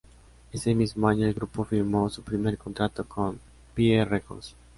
Ese mismo año el grupo firmó su primer contrato, con Pye Records.